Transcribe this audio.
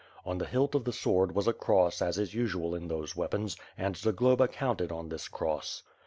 On the hilt of the sword was a cross as is usual in these weapons and Zagloba counted on this cross.